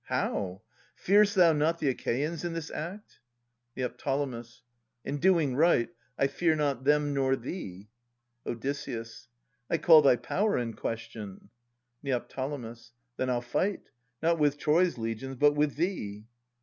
How ? Fear'st thou not the Achaeans in this act ? Neo. In doing right I fear not them nor thee. Od. I call thy power in question. Neo. Then I'll fight, Not with Troy's legions, but with thee.